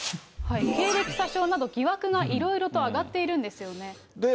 経歴詐称など疑惑がいろいろ挙がっているんですよね。